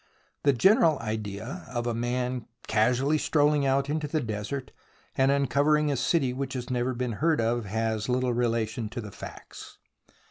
The general idea of a man casually strolling out into the desert, and uncovering a city which has never been heard of, has little relation to the facts.